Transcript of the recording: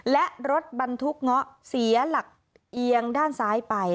และรถบรรทุกเงาะเสียหลักเอียงด้านซ้ายไป